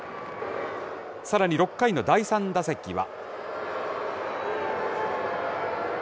さらに６回の第３打席は。